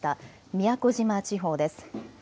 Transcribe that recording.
宮古島地方です。